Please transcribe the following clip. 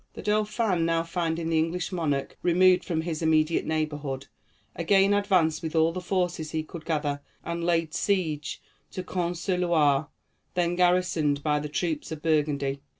[Illustration: Arms. [TN]] The Dauphin, now finding the English monarch removed from his immediate neighborhood, again advanced with all the forces he could gather, and laid siege to Cône sur Loire, then garrisoned by the troops of Burgundy.